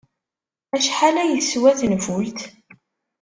Acḥal ay teswa tenfult?